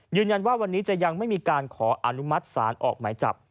ยืนยันว่าวันนี้จะยังไม่มีการขออนุมัติศาลออกหมายจับ